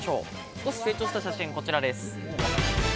少し成長した写真こちらです。